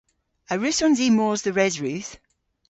A wrussons i mos dhe Resrudh?